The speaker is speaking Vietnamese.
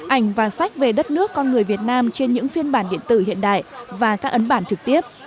ảnh và sách về đất nước con người việt nam trên những phiên bản điện tử hiện đại và các ấn bản trực tiếp